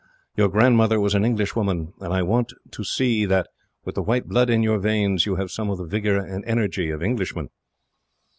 Your grandmother was an Englishwoman, and I want to see that, with the white blood in your veins, you have some of the vigour and energy of Englishmen."